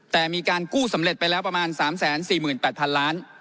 แต่มีการกู้สำเร็จไปแล้วประมาณ๓๔๘๐๐๐ล้าน